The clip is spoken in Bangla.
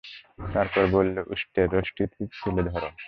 তারপর বলল, উষ্ট্রের রশিটি তুলে ধর।